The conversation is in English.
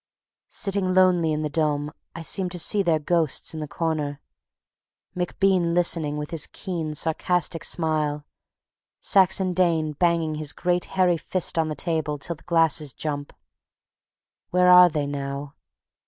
Sitting lonely in the Dôme, I seem to see their ghosts in the corner. MacBean listening with his keen, sarcastic smile, Saxon Dane banging his great hairy fist on the table till the glasses jump. Where are they now?